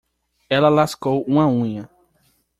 Ela lascou uma unha.